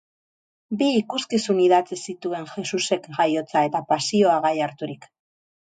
Bi ikuskizun idatzi zituen, Jesusen Jaiotza eta Pasioa gai harturik.